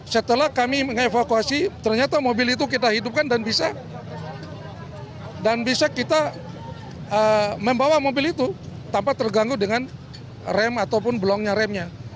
setelah kami mengevakuasi ternyata mobil itu kita hidupkan dan bisa dan bisa kita membawa mobil itu tanpa terganggu dengan rem ataupun blongnya remnya